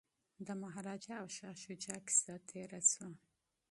د مهاراجا او شاه شجاع کیسه تیره شوه.